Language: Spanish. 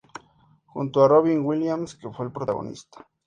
Junto a Robin Williams, que fue el protagonista.